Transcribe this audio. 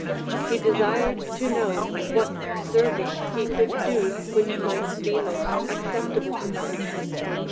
He desired to know what service he could do Avhicli might be most acceptable to her.